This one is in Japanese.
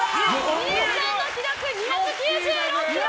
幸さんの記録、２９６ｋｇ！